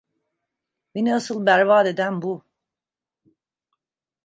Beni asıl berbat eden bu…